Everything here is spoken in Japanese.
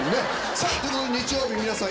さぁ日曜日皆さん